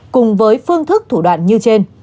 cùng với phương thức thủ đoạn như trên